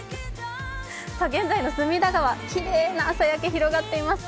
現在の隅田川、きれいな朝焼けが広がっています。